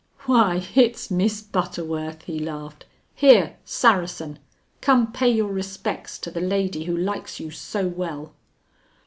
"Why, it's Miss Butterworth," he laughed. "Here, Saracen! Come, pay your respects to the lady who likes you so well."